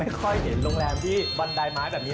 ค่อยเห็นโรงแรมที่บันไดไม้แบบนี้